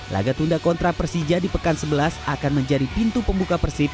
laga tunda kontra persija di pekan sebelas akan menjadi pintu pembuka persib